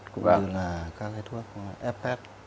cũng như là các thuốc hepat